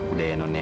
udah ya non ya